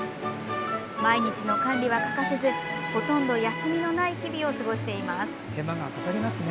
毎日の管理は欠かせずほとんど休みのない日々を過ごしています。